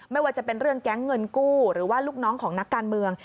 ไม่ว่าจะเป็นเรื่องแก๊งเงินกู้หรือว่าลูกน้องของนักการเมือง